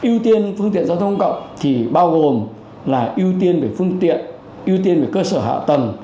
ưu tiên phương tiện giao thông công cộng thì bao gồm là ưu tiên về phương tiện ưu tiên về cơ sở hạ tầng